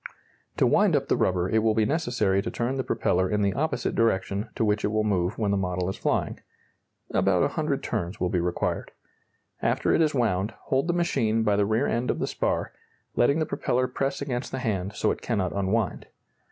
To wind up the rubber it will be necessary to turn the propeller in the opposite direction to which it will move when the model is flying. About 100 turns will be required. After it is wound, hold the machine by the rear end of the spar, letting the propeller press against the hand so it cannot unwind.